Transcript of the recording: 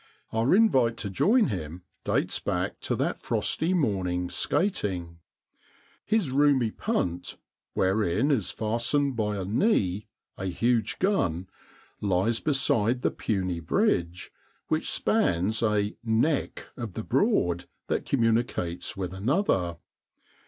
Our invite to join him dates back to that frosty morning's skating. His roomy punt, wherein is fastened by a 'knee' a huge gun, lies beside the puny bridge which spans a ' neck ' of the Broad that communicates with another.